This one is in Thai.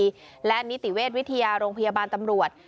และนิติเวชวิทยาโรงพยาบาลตำรวจ